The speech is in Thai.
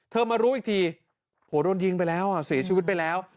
มารู้อีกทีโหโดนยิงไปแล้วเสียชีวิตไปแล้ว